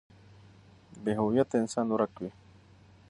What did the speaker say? بې هويته انسان ورک وي.